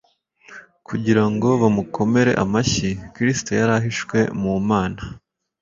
kugira ngo bamukomere amashyi. Kristo yari ahishwe mu Mana,